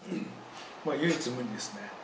唯一無二ですね。